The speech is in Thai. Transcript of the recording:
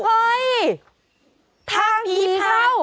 เอ้ยใครถ่างพี่เข้า